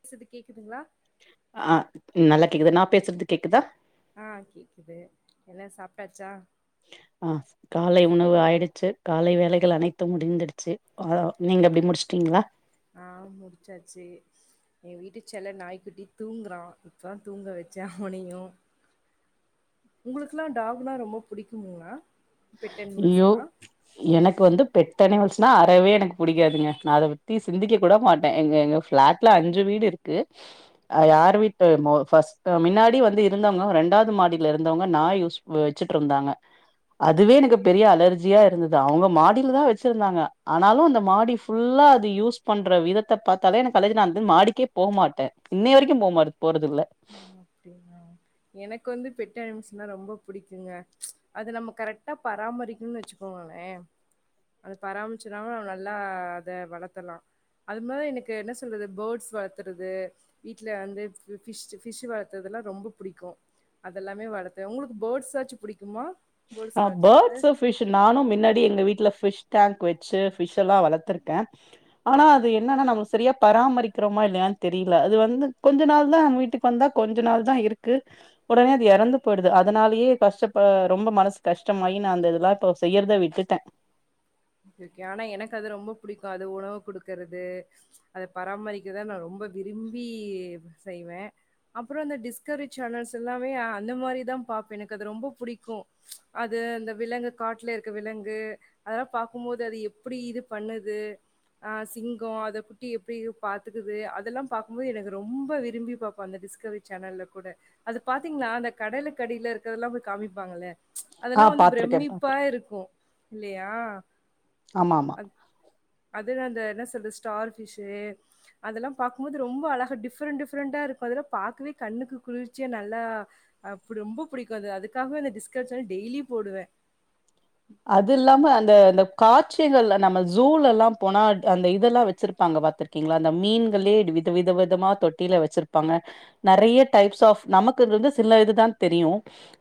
பேசறது கேக்குதுங்களா ஆ நல்லா கேக்குது நா பேசுறது கேக்குதா ஆ கேக்குது என்ன சாப்ட்டாச்சா அ காலை உணவு ஆயிடுச்சு காலை வேலைகள் அனைத்தும் முடிந்துடுச்சு ஆ நீங்க எப்படி முடிச்சுட்டீங்களா ஆ முடிச்சாச்சு என் வீட்டு செல்ல நாய்க்க குட்டி தூங்குறா இப்பதா தூங்க வச்சே அவனையூ உங்களுக்குெல்லா டாகலா ரொம்ப பிடிக்குங்களா ஐயோ எனக்கு வந்து பெட் அனிமல்ஸ்னா அறவே எனக்கு பிடிக்காதுங்க நா அத பத்தி சிந்திக்க கூட மாட்டே எங்க எங்க ஃபிளாட் ஃபிளாட்ல அஞ்சு வீடு இருக்கு யார் வீட்டு மெ ஃபர்ஸ்ட் மின்னாடி வந்து இருந்தவங்க ரெண்டாவத் மாடியில இருந்தவங்க நாய் யூஸ் வச்சிட்டு இருந்தாங்க அதுவே எனக்கு பெரிய அலர்ஜியா இருந்தது அவங்க மாடியில தா வச்சிருந்தாங்க ஆனாலூ அந்த மாடி ஃபுல்லா அது யூஸ் பண்ற விதத்தை பார்த்தாலே எனக்கு அலர்ஜினா நா வந்து மாடிக்கே போவ் மாட்டே இன்னய வரைக்கூ போவ் மாட் போனது இல்ல அவ்ங்க அப்டீங்ளா எனக்கு வந்து பெட் அனிமிஸ்ல்னா ரொம்ப பிடிக்குங்க அதை நம்ம கரெக்டா பராமரிக்கணுன்னு வச்சு ங்ளோ போங்களே அத பராமச்சுனால நல்லா அத வளர்த்தலா அது மாதிரி எனக்கு என்ன சொல்றது பேர்ட்ஸ் வள்த்துறது வீட்டில் வந்து ஃபிஷ் ஃபிஷூ வளர்த்ததுல்லா ரொம்ப புடிக்கும் அதெல்லாமே வளர்த்தே உங்களுக்கு பேர்ட்ஸாச்சூ பிடிக்குமா ஆ பேர்ட்ஸ் அ ஃபிஷ் நானூ மின்னாடி எங்க வீட்டுல ஃபிஷ் டேங்க் வச்சு ஃபிஷ்ல்லா வளர்த்திருக்கே ஆனா அது என்னன்னா நம்ம சரியா பராமரிக்கிறோமா இல்லையான் தெரியல அது வந்து கொஞ்ச நாள் தா வீட்டுக்கு வந்தா கொஞ்ச நாள் தா இருக்கு உடனே அது எறந்து போயிடுது அதனாலயே கஷ்டப்ப ரொம்ப மனசு கஷ்டமாயி நா அந்த இதெல்லா இப்ப செய்யறதை விட்டுட்டே க்கு ஆனா எனக்கு அது ரொம்ப புடிக்கும் அது உணவு கொடுக்குறது அத பராமரிக்கதா நா ரொம்ப விரும்பி செய்வே அப்புறோ அந்த டிஸ்கவரி சேனல்ஸ் எல்லாமே அந்த மாதிரி தா பா்பே எனக்கு அது ரொம்ப புடிக்கும் அது அந்த விலங்கு காட்டுல இருக்க விலங்கு அதெல்லா பாக்கும்போது அது எப்படி இது பண்ணுது ஆ சிங்கம் அத குட்டி எப்படி பாத்துக்குது அதெல்லா பாக்கும்போது எனக்கு ரொம்ப விரும்பி பார்ப்போ அந்த டிஸ்கவரி சேனல்ல கூட அது பாத்தீங்களா அந்த கடலுக அடியில இருக்கர்தா கூட போய் காமிப்பாங்கள்ல ஆ அதெல்லா வந்து பாத்திருக்கே பிரமிப்பா பாத்திருக்கே இருக்கோ இல்லியா ஆமாம் அதுதா அந்த என்ன சொல்றது ஸ்டார் ஃபிஷ்ஷு அதெல்லா பாக்கும்போது ரொம்ப அழக டிஃப்ரெண்ட் டிஃரெண்டா இருக்கோ அதெல்லா பார்க்கவே கண்ணுக்கு குளிர்ச்சியா நல்லா அப்படி ரொம்ப புடிக்கும் அது அதுக்காகவே அந்த டிஸ்கவரி சேனல் டெய்லி போடுவே அது இல்லாம அந்த அந்த காட்சிகள்ல நம்ம ஜூல்லா போனா அந்த இதெல்லா வச்சிருப்பாங்க பாத்திருக் ங்களா அந்த மீன்களே வித வித விதமா தொட்டியில வச்சிருப்பாங்க நறய டைப்ஸ் ஆஃப் நமக்கு இது வந்து சில இதுதா தெரியூ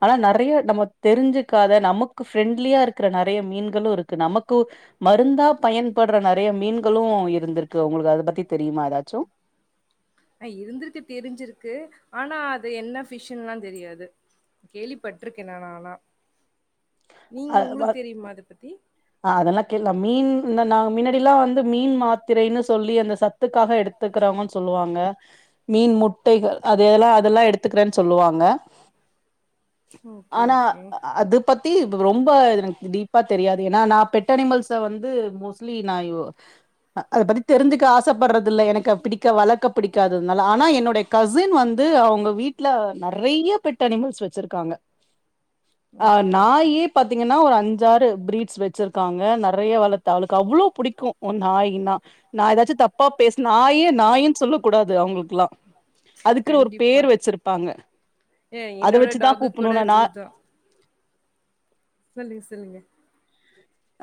ஆனா நறய நமக் தெரிஞ்சுக்காத நமக்கு ஃப்ரெண்ட்லியா இருக் இருக்கிற நறய மீன்களும் இருக்கு நமக்கு மருந்தா பயன்படுற நறய மீன்களும் இருந்திருக்கு க்கு உங்களுக்கு அத பத்தி தெரியுமா ஏதாச்சூ ஆ இருந்திருக்கு தெரிஞ்சிருக்கு ஆனா அது என்ன ஃபிஷன்ல்லா தெரியாது கேள்விப்பட்டிருக்கே நா ஆனா நீங்க உங்களுக்குத் தெரியுமா அத பத்தி அஹ் அதெல்லாம் கேட்லா மீன் இந நா மின்னாடில்லா வந்து மீன் மாத்திரைன்னு சொல்லி அந்த சத்துக்காக எடுத் துக்கறாங்கன் சொல்லுவாங்க மீன் முட்டைகள் அது எல்லா அதெல்லா எடுத்துக்கிறன் சொல்லுவாங்க ஓகே, ஆனா ஓகே. அது தி இப்ப ரொம்ப இது எனக்கு டீப்பா தெரியாது ஏனா நா பெட் அனிமல்ஸ வந்து மோஸ்ட்லி நா ஏ ஒ அத பத்தி தெரிஞ்சிக்க ஆசப்பட்றது இல்ல எனக்கு அ பிடிக்க வளக்க பிடிக்காததுனால ஆனா என்னுடை கசின் வந்து அவுங்க வீட்ல நெறைய பெட் அனிமல்ஸ் வச்சிருக்காங்க ஓகே, ஓகே. நாயி பாத்தீங்கனா ஒரு அஞ்சாறு பிரீட்ஸ் வச்சிருக்காங்க நெறைய வளத்து அவளுக்கு அவ்ளோ புடிக்கு உ நாயினா நா ஏதாச்சு தப்பா பேஸ் நாய நாய்ன்னு சொல்ல கூடாது அவுங்களுக்குல்லா அதுக்குனு ஒரு கண்டிப்பா. பேர் வச்சிருப்பாங்க ஏ அத என்னோட வச்சுதா டாக்கு கூட கூப்புனுனா நா ஜூ மேலே சொல்லுங்க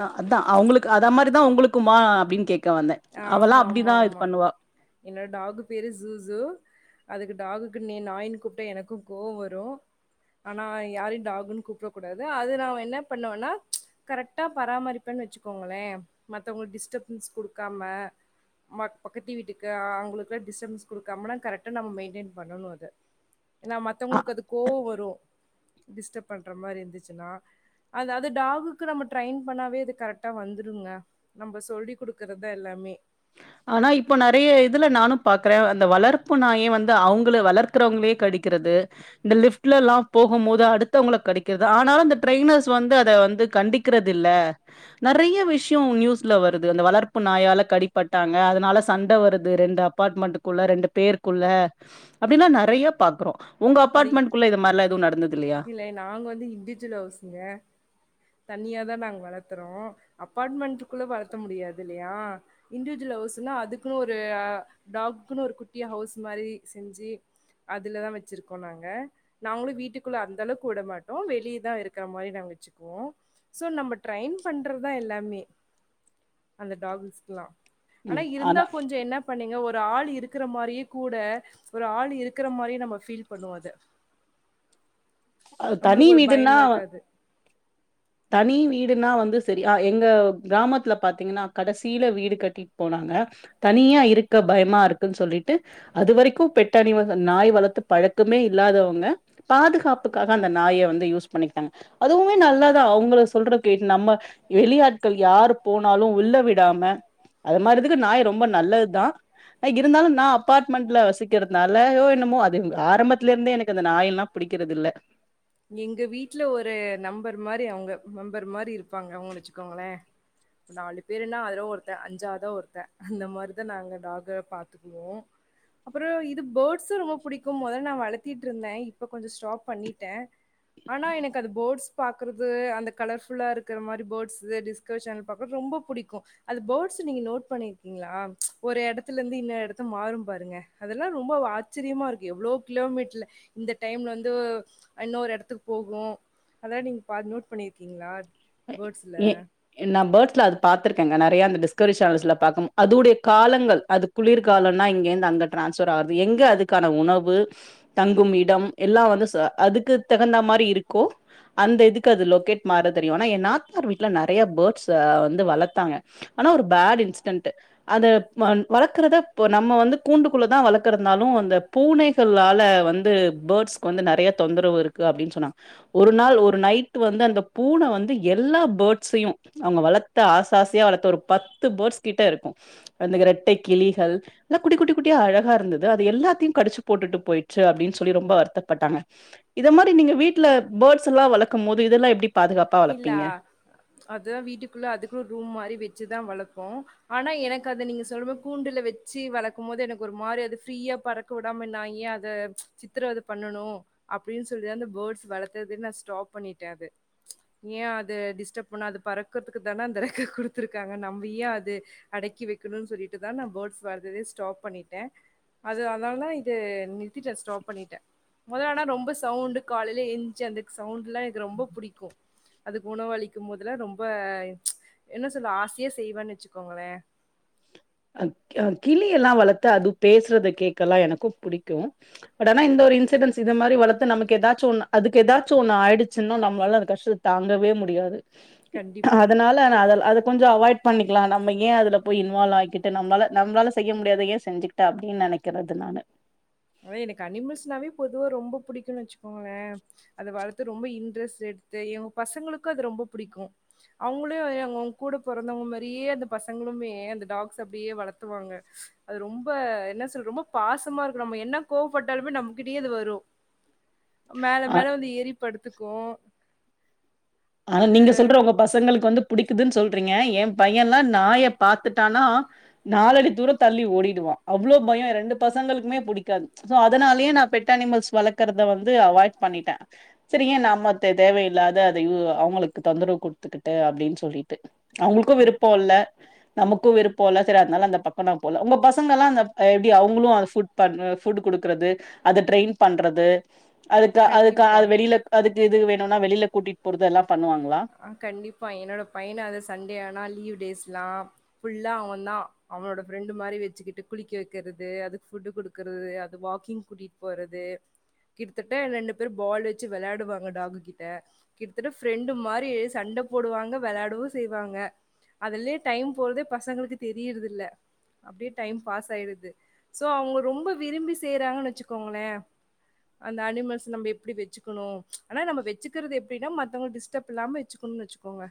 அ அதா அவுங்களுக்கு அதா மாரிதா உங்களுக்குமா அப்டின் கேக்க வந்தே அவெல்லா ஆமா, ஆமா, அப்டிதா இது ஆமா. பண்ணுவா என்னோட டாகு பேரு ஜூசு அதுக்கு டாகுக்கு நீ நாயின் கூப்ட்டா எனக்கு கோவ வரு ஆனா யாரையு டாகுன்னு கூப்ட கூடாது அது நா என்ன பண்ணோனா கரெக்டா பராமரிப்பேன்னு வச்சுக்கோங்களே மத்தவங்களுக்கு டிஸ்டப்பன்ஸ் குடுக்காம ம பக்கத்து வீட்டுக்கு அவுங்களுக்குல்லா டிஸ்டபன்ஸ் குடுக் கம்மனா கரெக்டா நம்ம மெயின்டெய்ன் பண்ணணு அத ஏனா அ மத்தவங்களுக்கு அது கோவ வரு டிஸ்டப் பண்ற மாரி இருந்துச்சின்னா அதாவது டாகுக்கு நம்ம ட்ரெயின் பண்ணாவே அது கரெக்டா வந்துடுங்க நம்ப சொல்லி குடுக் கறத எல்லாமே ஆனா இப்போ நெறைய இதுல நானு பாக்கறே அந்த வளர்ப்பு நாயே வந்து அவுங்கள வளர் கறவங்களே கடிக்கிறது இந்த லிப்ட்ல எல்லா போகு மோது அடுத்தவங்கள கடிக்கிறது ஆனாலு அந்த டிரெய்னர்ஸ் வந்து அத வந்து கண்டிக் கிறது இல்ல நெறைய விஷ்யோ நியூஸ்ல வருது அந்த வளர்ப்பு நாயால கடி பட்டாங்க அதனால சண்ட வருது ரெண்டு அப்பாட் மெண்ட்க்குள்ள ரெண்டு பேருக்குள்ள அப்டின்னா நெறைய பாக்குறோ உங்க அது அப்பாட் மெண்ட்குள்ள இது மாரிலா எதுவு நடந்தது இல்லையா நாங்க வந்து இன்டி ஜுல் ஹவுசுங்க தனியா தா நாங் வளத்துறோ அப்பாட் மெண்ட்க்குள்ள வளத்த முடியாது இல்லையா இண்டிவிஜுவல் ஹவுஸ்ன்னா அதுக்குன் ஒரு அ டாகுக்குன் ஒரு குட்டியா ஹவுஸ் மாதிரி செஞ்சி அதுலதா வச்சிருக்கோ நாங்க நாங்களு வீட்டுக்குள்ள அந்த அளவுக் வுட மாட்டோ வெளிய தா இருக்கற மாரி நாங்க வச்சுக்குவோ சோ நம்ம ட்ரைன் பண்றதா எல்லாமே அந்த டாகுஸ்க்லா ஆனா இருந்தா கொஞ்ச என்னா பண்ணீங்க ஒரு ஆள் இருக்கற மாரியே கூட ஒரு ஆள் இருக்கற மாரியே நம்ம ஃபீல் பண்ணுவோ அத தனி நம்மளுக்கு ஒரு வீடுன்னா பயமா இருக்காது தனி வீடுனா வந்து செரி அ எங்க கிராமத்துல பாத்தீங்கனா கடசில வீடு கட்டி போனாங்க தனியா இருக்க பயமா இருக்குன் சொல்லிட்டு அது வரைக்கு பெட்டணிமல்ஸ் நாய் வளத்து பழக்கமே இல்லாதவங்க பாதுகாப்புக்காக அந்த நாய வந்து யூஸ் பண்ணிக்கிட்டாங்க அதுவுமே நல்லா க அவுங்கள சொல்றக்கே நம்ம வெளியாட்கள் யாரு போனாலு உள்ள விடாம அது மாரி இதுக்கு நாய் ரொம்ப நல்லது தா அ இருந்தாலு நா அப்பாட்மெண்ட்ல வசிக்கிறதுனாலயோ என்னமோ அது ஆரம்பத்துல இருந்தே எனக்கு அந்த நாயெல்லா பிடிக்கிறதில்ல எங்க வீட்ல ஒரு நம்பர் மாரி அவுங்க மெம்பர் மாரி இருப்பாங்க அவுங்க வச்சுக்கோங்களே நாலு பேருன்னா அதுல ஒருத்தன் அஞ்சாவதா ஒருத்தன் அந்த மாதிரிதான் நாங்க டாக பாத்து குவோம் அப்புறம் இது பேர்ட்ஸும் ரொம்ப பிடிக்கும் முதல்ல நான் வளத்திட்டு இருந்தேன் இப்போ கொஞ்சம் ஸ்டாப் பண்ணிட்டேன் ஆனா எனக்கு அந்த போர்ட்ஸ் பாக்குறது அந்த கலர்ஃபுல்லா இருக்கிற மாறிபோர்ட்ஸ் டி சேனல் பாக்க ரொம்ப புடிக்கும் அது பேர்ட்ஸ் நீங்க நோட் பண்ணிருக்கீங்களா ஒரு இடத்துல இருந்து இன்னரு இடத்து மாறு பாருங்க அதெல்லா ரொம்ப ஆச்சரியமா இருக்கு எவ்ளே கிலோமீட்டர்ல இந்த டைம்ல வந்து இன்னொரு இடத்துக்கு போகு அதா நீங்க பா நோட் பண்ணியிருக்கீங்களா பேர்ட்ஸில ஏ நா பேர்ட்ஸ்ல அது பாத்துருக்கேங்க நறைய அந்த டிஸ்கவரி சேனல்ஸ்ல பாக்குனு அதோடைய காலங்கள் அது குளிர்காலனா இங்கேந்து அங்கே ட்ரான்ஸ்ஃபர் ஆறது எங்கே அதுக்கான உணவு தங்கும் இடம் எல்லா வந்து அதுக்கு தகுந்த மாறி இருக்கோ அந்த இதுக்கு அது லொகேட் மாற தெரியு ஆனா என் நாத்தனார் வீட்டுல நறைய போர்ட்ஸ் வந்து வளத்தாங்க ஆனா ஒரு பேடு இன்சிடென்ட் அத வளக்கறத இப்ப நம்ம வந்து கூண்டுக்குள்ள தா வளக்குறதுநாலு அந்த பூனைகளால வந்து பேர்ட்ஸ்க்கு வந்து நறைய தொந்தரவு இருக்கு அப்புடின்னு சொன்னாங்க ஒரு நாள் ஒரு நைட் வந்து அந்த பூன வந்து எல்லா பேட்ஸையு அவங்க வளத்த ஆசா ஆசையா வளத்த ஒரு பத்து பேர்ட்ஸ் கிட்ட இருக்கும் அந்தக இரட்டை கிளிகள் எல்ல குட்டி குட்டி குட்டி அழகா இருந்தது அது எல்லாத்தையு கடிச்சு போட்டுட்டு போயிடுச்சு அப்பிடின்னு சொல்லி ரொம்ப வருத்தப்பட்டாங்க இத மாதி நீங்க வீட்டுல பேர்ட்ஸ் எல்லா வளக்கும் போது இதெல்லா எப்படி இல்ல அதுதா வீட்டுக்குள்ள அதுக்குன்னு ஒரு ரூம் மாறி வெச்சுதா வளப்போம் ஆனா எனக்கு அத நீங்க சொல்லுபோ கூண்டுல வச்சு வளக்கு போது எனக்கு ஒரு மாறி அது ஃப்ரீயா பற தொடாம [unintelligible] ஏ அத சித்தரவத பண்ணனு அப்புடின் சொல்லிதா அந்த பேர்ட்ஸ் வளர்க்குறதே நா ஸ்டாப் பண்ணிட்டே அத ஏ அத டிஸ்டப் பண்ண அது பறக்குறதுக்கு தானே அந்த ரெக்க குடுத்துருக்காங்க நம்ப ஏ அது அடக்கி வக்கிணு சொல்லிட்டுதா நா பேர்ட்ஸ் வளத்ததே ஸ்டாப் பண்ணிட்டே அது அதனாலதா இது நிறுத்திட்டே ஸ்டாப் பண்ணிட்டேன் முதல்ல ஆனா ரொம்ப சவுண்டு காலையில எந்திச்சு அந்த சவுண்ட் எல்லா எனக்கு ரொம்ப புடிக்கும் அதுக்கு உணவு அளிக்கு போதுல ரொம்ப என்ன சொல்லு ஆசையா செய்வோன்னு வச்சுக்கோங்களே அம் கிளி எல்லா வளத்து அது பேசுறத கேட்க எல்லா எனக்கு புடிக்கும் பட் ஆனா இந்த ஒரு இன்சிடென்ஸ் இதுமாறி வளத்து நமக்கு ஏதாச்சு ஒன்னு அதுக்கு எதாச்சு ஒன்னு ஆயிச்சின்னா நம்மளால கஷ்ட தாங்கவே முடியாது கண்டிப்பா. அதனால அத அது கொஞ்ச அவாய்ட் பண்ணிக்கலா நம்ம ஏ அதுல போய் இன்வால் ஆகிட் நம்மளால நம்பளால செய்ய முடியாதையே செஞ்சிக்கிட்ட அப்பிடின் நெனைக்கிறது நால அது எனக்கு அனிமல்ஸ்னாவே பொதுவா ரொம்ப புடிக்கும்னு வச்சுக்கோங்களேன் அத வளத்து ரொம்ப இன்ரெஸ்ட் எடுத்து எம் பசங்களுக்கு அது ரொம்ப புடிக்கும் அவுங்களுயும் அவுங்க கூட பொறந்தவங்க மாறியே அந்த பசங்களுமே அந்த டாக்ஸ அப்பிடியே வளத்துவாங்க அது ரொம்ப என்ன சொல்ற ரொம்ப பாசமா இருக் நம்ம என்ன கோவப்பட்டாலுமே நம்மகிட்டயே அது வரு மேல ஆ மேல வந்து எரிப்படுத்து க்கும் ஆனா நீங்க சொல்றவங்க பசங்களுக்கு வந்து புடிக்குதுன்னு சொல்றீங்க ஏ பையனெல்லா நாய பாத்துட்டானா நாளடி தூரம் தள்ளி ஓடிடுவான் அவ்ளவு பயம் ரெண்டு பசங்களுக்குமே புடிக்காது சோ அதனாலயே நா பெட்டானிமல்ஸ் வளர்க்குறத வந்து அவாய்ட் பண்ணிட்டே சரி ஏ நாம தே தேவையில்லாத அதயூவா அவுங்களுக்கு தொந்தரவு குடுத்துக்கிட்டு அப்பிடின்னு சொல்லிட்டு அவுங்களுக்கு விருப்ப இல்ல நமக்கு விருப்போ இல்ல சரி அதனால அந்த பக்க போல உங்க பசங்க எல்லா அந்த ஆ எப்பிடி அவுங்களு அந்த ஃபுட் பண் ஃபுட் குடுக்குறது அத ட்ரெயின் பண்றது அதுக்கு அதுக்கு கண்டிப்பா. அது வெளியில அதுக்கு இது வேணுனா வெளியில கூட்டிட்டு போறது எல்லா பண்ணுவாங்களா ஆ கண்டிப்பா என்னோட பையனு அதா சண்டே ஆனா லீவ் டேஸ்லா ஃபுல்லா அவன்தா அவனோட ஃப்ரெண்டு மாரி வச்சுக்கிட்டு குளிக்க வக்கிறது அதுக்கு ஃபுட்டு குடுக் கறது அது வாக்கிங் கூட்டிட்டு போறது கிட்டத்தட்ட ரெண்டு பேர் பால் வச்சி வெளாடுவாங்க டாகுக்கிட்ட ட ஃப்ரெண்டு மாரி சண்ட போடுவாங்க வெளையாடவு செய்வாங்க அதுலே டைம் போறதே பசங்களுக்கு தெரியறது இல்ல அப்டியே டைம் பாஸ் ஆய்ருது சோ அவுங்க ரொம்ப விரும்பி செய்றாங்கன்னு வச்சுக்கோங்களே அந்த அனிமல்ஸ் நம்ப எப்டி வச்சுக்கணு ஆனா நம்ம வச்சுக்கறது எப்டின்னா மத் தவங்க டிஸ்டப் இல்லாம வச்சுகணுன்ணு வச்சுக்கோங்க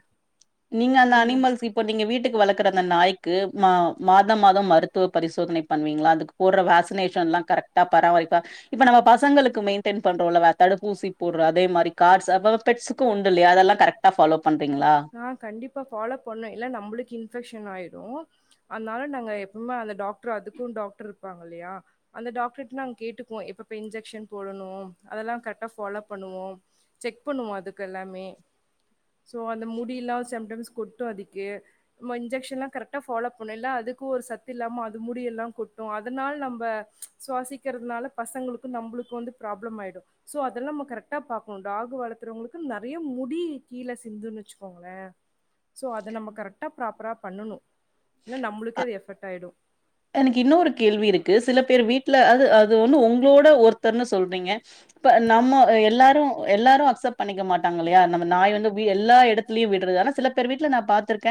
நீங்க அந்த அனிமல்ஸ் இப் இப்ப நீங்க வீட்டுக்கு வளக்கற அந்த நாய்க்கு மா மாதம் மாதம் மருத்துவ பரிசோதனை பண்வீங்களா அதுக் போடுற வேக்சினேஷன்லா கரெக்டா பராமரிப்பா இப்ப நம்ம பசங்களுக்கு மெயின்டென் பண்றோல வ தடுப்பூசி போடுற அதே மாரி கார்ட்ஸ் அதேமாரி பெட்சுக்கும் உண்டு இல்லையா அதெல்லா கரெக்ட் டா ஃபாலோ பண்றீங்களா நா கண்டிப்பா ஃபாலோ பண்ண இல்ல நம்பளுக்கு இன்ஃபெக்ஷன் ஆய்டு அதனால நாங்க எப்பவுமே அந்த டாக்டர் அதுக்கும் டாக்டர் இருப்பாங்க இல்லியா அந்த டாக்டர்ட்ட நாங்க கேட்டுக்குவோ எப்பப்ப இன்ஜெக்ஷன் போடணு அதெல்லா கரெக்டா ஃபாலோ பண்ணுவோ செக் பண்ணுவோ அதுக்கெல்லாமே சோ அந் அந்த முடி எல்லா செம்டைம்ஸ் கொட்டு அதுக்கு நம்ம இன்ஜெக்னெலா கரெக்டா ஃபாலோ பண்ணும் இல்ல அதுக்கு ஒரு சத்து இல்லாம அது முடியெல்லா கொட்டு அதனால நம்ப சுவாசிக்கிறதுனால பசங்களுக்கு நம்பளுக்கு வந்து ப்ராப்ளம் ஆய்டும் சோ அதெல்லா நம்ம கரெக்டா பாக்ணு டாகு வளத்தறவங்ளுக்கு நறைய முடி கீழே சிந்துன்னு வச்சுக் சுக்கோங்கள சோ அத நம்ம கரெக்டா ப்ராப்பரா பண்ணுனு இல்ல நம்பளுக்கே அது எஃபெக்ட் ஆய்டும் எனக்கு இன்னொரு கேள்வி இருக்கு சில பேர் வீட்ல அது அது ஒண்ணு உங்களோட ஒருத்தர்னு சொல்றீங்க இப்ப நம்ம எல்லாரு எல்லாரு அக்செப்ட் பண்ணிக்க மாட்டாங்க இல்லயா நம்ம நாய் வந்து எல்லா எடத் துலயு விடுறது ஆனா சில பேர் வீட்ல நா பாத்துருக்க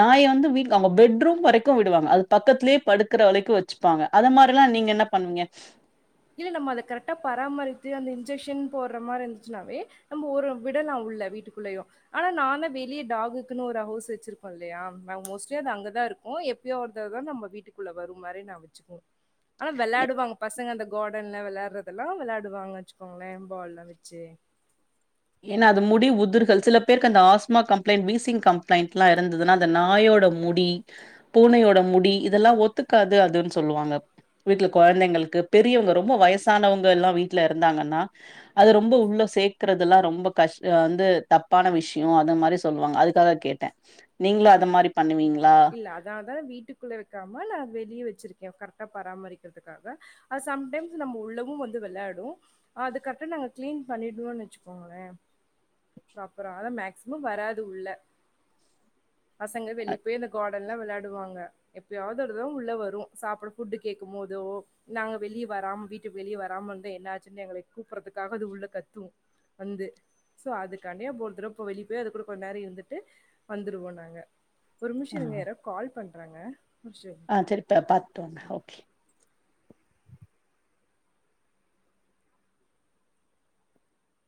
நாய் வந்து வீட் அவுங்க பெட்ரூம் வரைக்கு விடுவாங்க அது பக்கத்துலேயே படுக்கற வரைக்கு வச்சுப்பாங்க அது மாரி எல்லா நீங்க என்ன பண்ணிங்க இல்ல நம்ம அத கரெக்டா பராமரிச்சு அந்த இன்ஜெக்ஷன் போடுற மாரி இருந்துச்சுனாவே நம்போ ஒரு விடலா உள்ள வீட்டுக்குள்ளயு ஆனா நான் தா வெளிய டாகுக்குன்னு ஒரு ஹவுஸ் வச்சிருப்போ இல்லியா ஆ மோஸ்ட்லி அது அங்கதா இருக்கு எப்பயோ ஒரு தடவ தா நம்ம வீட்டுக்குள்ள வரு மாரி நா வச்சுக்குவோ ஆனா வெளாடுவாங்க பசங்க அந்தக் கார்டன்ல வெளாட்றதெல்லா வெளாடுவாங்க வச்சுக்கோங்களே பால்லா வச்சு ஏனா அது இல்ல முடி உதுர்கள் சில பேருக்கு அந்த ஆஸ் மா கம்ப்ளைண்ட் வீசிங் கம்ப்ளைண்ட்லா இருந்ததுனா அந்த நாயோட முடி பூனையோட முடி இதெல்லா ஒத்துக்காது அதுன்னு சொல்லுவாங்க வீட்ல கொழந்தைங்களுக்கு பெரியவங்க ரொம்ப வயசானவங்க எல்லா வீட்ல இருந்தாங்கன்னா அது ரொம்ப உள்ள சேக்றத் துல்லா ரொம்ப கஷ்ட வந்து தப்பான விஷ்யோ அத மாரி சொல்லுவாங்க அதுக்காக கேட்ட நீங்களு அது ஓகே மாரி பண்ணுவீங்களா இல்ல அதனால தா வீட்டுக் குள்ளே வெக்காம ல வெளிய வச்சிருக்க கரெக்ட்டா பராமரிக்றதுக்காக அ சம் டைம்ஸ் நம்ம உள்ளவு வந்து வெளாடு ஆ அது கரெக்ட்டா நாங்க கிளீன் பண்ணிடுவோன் வச்சுக்கோங்ளே ப்ராப்பரா ஆனா மேக்சிமம் வராது உள்ள பசங்க அ வெளிய போய் அந்த கா டன்ல வெளாடுவாங்க எப்யாது ஒருதரோ உள்ள வரு சாப்ட ஃபுட் கேக்கும் போதோ நாங்க வெளிய வராம் வீட்டுக் வெளிய வராம் இருந்தா என்னாச்சுன் எங்களய கூப்றதுக்காக அது உள்ள கத்து வந்து சோ அது க்கான்டியே ஒரு தடவ போ வெளி போய் அது கூட கொஞ் நேரோ இருந்துட்டு வந்துருவோ நாங்க ஒரு நிம்ஷோ ஆ இருங்க யாரோ கால் பண்றாங்க [unintelligible] ஆ செரி பே பாத்துட் வாங்க ஓகே